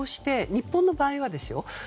日本の場合はですよ。